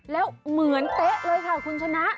แล้วเหมือนเต๊ะเลยค่ะคุณชนะ